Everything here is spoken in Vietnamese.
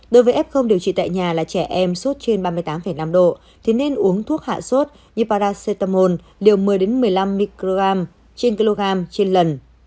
đối với f điều trị tại nhà là trẻ em sốt trên ba mươi tám năm độ thì nên uống thuốc hạ sốt như paracetamol đều một mươi một mươi năm microgram trên kg trên lần